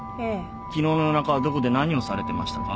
昨日の夜中どこで何をされてましたか？